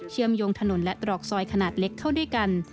มโยงถนนและตรอกซอยขนาดเล็กเข้าด้วยกัน